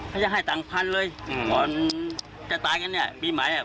ก็จะให้ต่างพันธุ์เลยก่อนจะตายกันเนี่ยปีใหม่